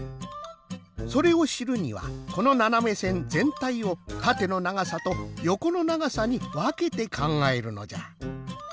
それをしるにはこのななめせんぜんたいをたてのながさとよこのながさにわけてかんがえるのじゃ。